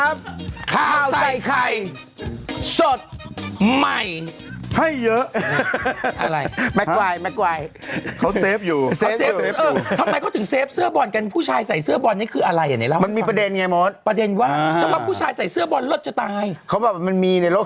มันมีประเด็นไงหมดประเด็นว่าผู้ชายใส่เสื้อบอนลดจะตายเขาบอกมันมีในโลก